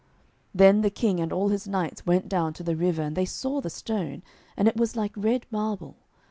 Then the King and all his knights went down to the river, and they saw the stone, and it was like red marble.